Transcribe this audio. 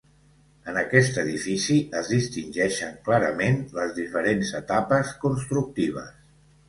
En aquest edifici es distingeixen clarament les diferents etapes constructives.